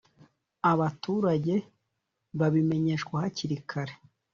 abaturage babimenyeshwa hakiri kare